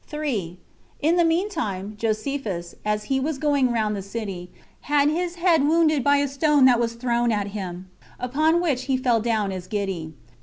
3. In the mean time, Josephus, as he was going round the city, had his head wounded by a stone that was thrown at him; upon which he fell down as giddy.